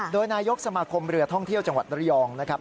โดยนายกสมาคมเรือท่องเที่ยวจังหวัดระยองนะครับ